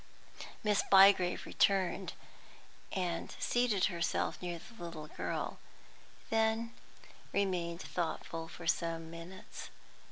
Miss Bygrave returned, and seated herself near the little girl; then remained thoughtful for some minutes.